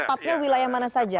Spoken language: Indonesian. tepatnya wilayah mana saja